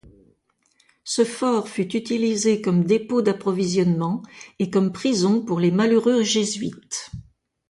Ce fort fut utilisé comme dépôt d'approvisionnement et comme prison pour les malheureux jésuites.